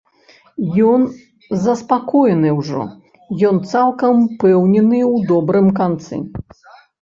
Ён заспакоены ўжо, ён цалкам упэўнены ў добрым канцы.